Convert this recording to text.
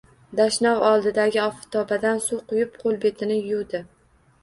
Dashnov oldidagi oftobadan suv quyib, qo`lbetini yuvdi